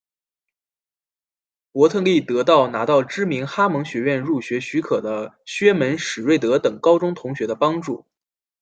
伯特利得到拿到知名哈蒙学院入学许可的薛门史瑞德等高中同学的帮助。